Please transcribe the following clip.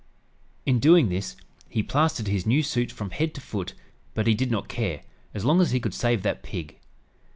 In doing this he plastered his new suit from head to foot, but he did not care, as long as he could save that pig!